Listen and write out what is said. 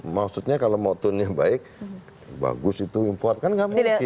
maksudnya kalau motonenya baik bagus itu import kan nggak mungkin